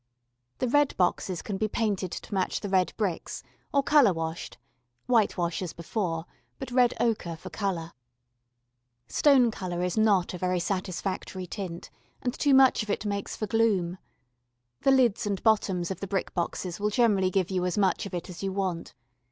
The red boxes can be painted to match the red bricks, or colour washed (whitewash as before, but red ochre for colour). Stone colour is not a very satisfactory tint and too much of it makes for gloom. The lids and bottoms of the brick boxes will generally give you as much of it as you want.